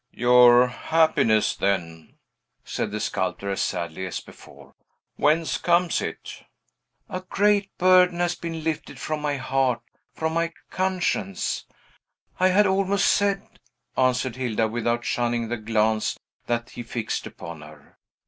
"Your happiness, then?" said the sculptor, as sadly as before. "Whence comes it?" "A great burden has been lifted from my heart from my conscience, I had almost said," answered Hilda, without shunning the glance that he fixed upon her.